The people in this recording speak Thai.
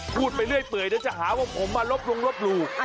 พูดไปเรื่อยเปื่อยเดี๋ยวจะหาว่าผมมาลบลงลบหลู่